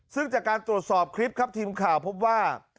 ซึ่งจากการตรวจสอบคลิปครับทีมข่าวพบว่า